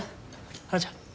花ちゃん。